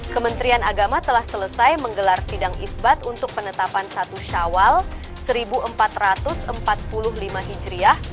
kementerian agama telah selesai menggelar sidang isbat untuk penetapan satu syawal seribu empat ratus empat puluh lima hijriah